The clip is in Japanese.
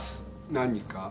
何か？